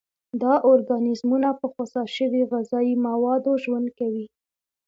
دا ارګانیزمونه په خوسا شوي غذایي موادو ژوند کوي.